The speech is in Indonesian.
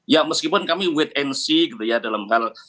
ya meskipun kami wait and see gitu ya dalam hal